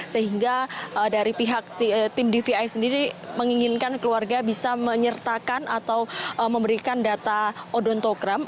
sehingga dari pihak tim dvi sendiri menginginkan keluarga bisa menyertakan atau memberikan data odontogram